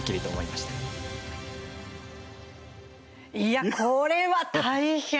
いや、これは大変！